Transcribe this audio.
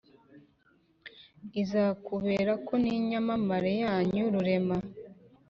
izakuberako n' inyamamare yanyuze rurema.